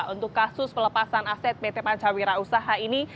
untuk kasus pelepasan aset pt pancawira usaha ini